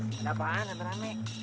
mas ada apaan antara amik